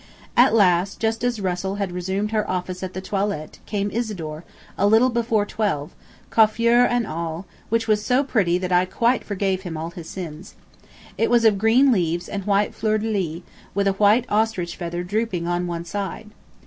At last, just as Russell had resumed her office at the toilet, came Isidore, a little before twelve, coiffure and all, which was so pretty that I quire forgave him all his sins. It was of green leaves and white fleur de lis, with a white ostrich feather drooping on one side.